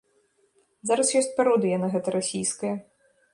Зараз ёсць пародыя на гэта расійская.